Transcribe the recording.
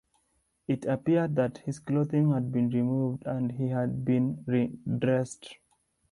It appeared that his clothing had been removed and he had then been re-dressed.